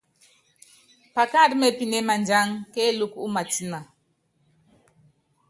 Pakáandú mépíné madíangá kélúkú ú matína.